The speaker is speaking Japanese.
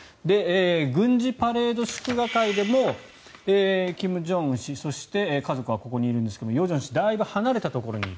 軍事パレード祝賀会でも金正恩氏そして、家族はここにいるんですが与正氏はだいぶ離れたところにいる。